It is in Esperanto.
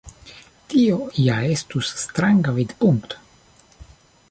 Tio ja estus stranga vidpunkto.